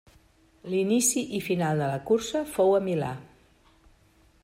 L'inici i final de la cursa fou a Milà.